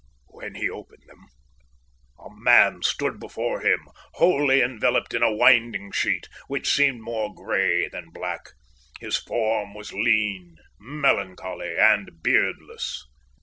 When he opened them, a man stood before him, wholly enveloped in a winding sheet, which seemed more grey than black. His form was lean, melancholy, and beardless.